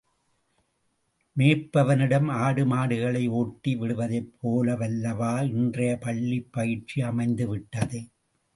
மேய்ப்பவனிடம் ஆடு மாடுகளை ஓட்டி விடுவதைப் போல வல்லவா இன்றைய பள்ளிப் பயிற்சி அமைந்து விட்டது?